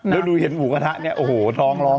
แล้วดูเห็นหมูกระทะเนี่ยโอ้โหท้องร้อง